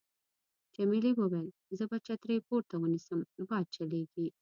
جميلې وويل:: زه به چترۍ پورته ونیسم، باد چلېږي.